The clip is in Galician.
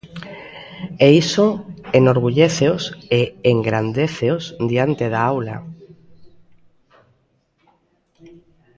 E iso enorgulléceos e engrandéceos diante da aula.